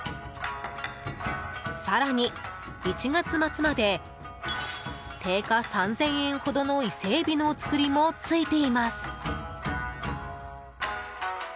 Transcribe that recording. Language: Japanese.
更に、１月末まで定価３０００円ほどの伊勢海老のお造りも付いています。